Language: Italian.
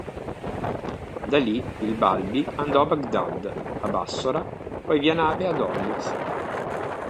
Da lì, il Balbi andò a Baghdad, a Bassora, poi via nave ad Hormuz.